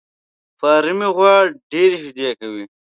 فارمي غوا ډېري شيدې کوي